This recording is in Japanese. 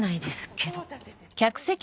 「けど」？